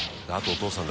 お父さん。